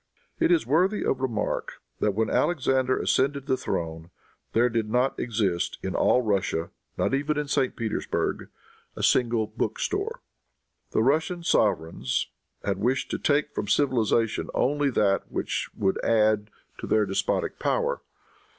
It is worthy of remark that when Alexander ascended the throne there did not exist in all Russia, not even in St. Petersburg, a single book store. The Russian sovereigns had wished to take from civilization only that which would add to their despotic power.